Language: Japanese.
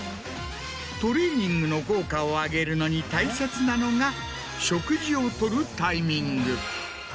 トレーニングの効果を上げるのに大切なのが食事を取るタイミング。